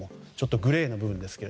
グレーな部分ですけど。